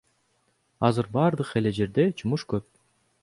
Азыр баардык эле жерде жумуш көп.